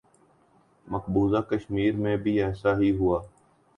مقبوضہ کشمیر میں بھی ایسا ہی ہوا۔